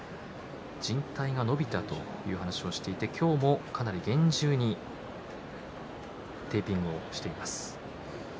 じん帯が伸びたという話をしていて今日もかなり厳重にテーピングをしています。